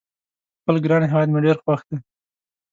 خپل ګران هیواد مې ډېر خوښ ده